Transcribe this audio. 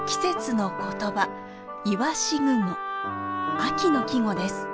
秋の季語です。